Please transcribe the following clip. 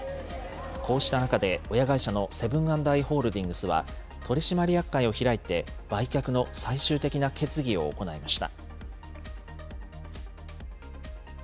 こうした中で親会社のセブン＆アイ・ホールディングスは取締役会を開いて売却の最終的な決議を行いました。